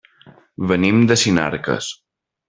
Venim de Sinarques.